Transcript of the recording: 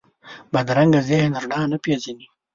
بدرنګه ذهن رڼا نه پېژني